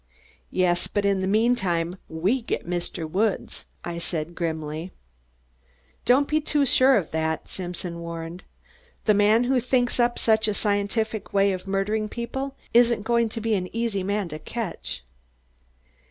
"Yes, but in the meantime, we get Mr. Woods," I said grimly. "Don't be too sure of that!" Simpson warned. "The man who thinks up such a scientific way of murdering people isn't going to be an easy man to catch."